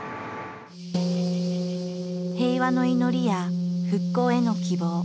平和の祈りや復興への希望。